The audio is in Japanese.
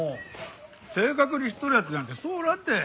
正確に知っとる奴なんてそうおらんって。